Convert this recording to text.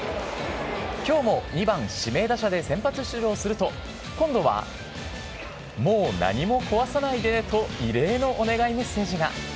きょうも２番指名打者で先発出場すると、今度は、もう何も壊さないでねと、異例のお願いメッセージが。